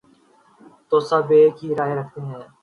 تو سب ایک ہی رائے رکھتے ہیں۔